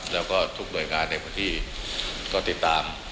แล้วก็ทุกหน่วยงานในพื้นที่ก็ติดตาม